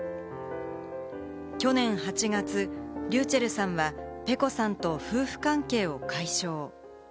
去年８月、ｒｙｕｃｈｅｌｌさんはｐｅｃｏさんと夫婦関係を解消。